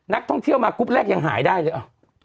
นักท่องเที่ยวมากรุ๊ปแรกยังหายได้เลย